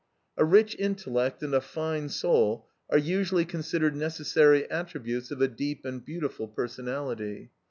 A rich intellect and a fine soul are usually considered necessary attributes of a deep and beautiful personality.